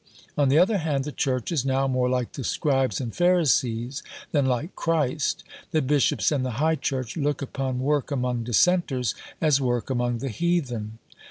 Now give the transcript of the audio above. On the other hand, the Church is now more like the Scribes and Pharisees than like Christ. The Bishops and the High Church look upon work among Dissenters as work among the heathen.